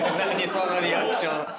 そのリアクション。